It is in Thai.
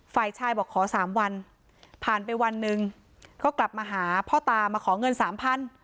ฝ่ายชายบอกขอสามวันผ่านไปวันหนึ่งก็กลับมาหาพ่อตามาขอเงินสามพัน